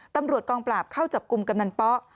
ตำรวจกองปราบเข้าจับกลุ่มกำนันป๊อ